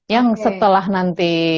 yang setelah nanti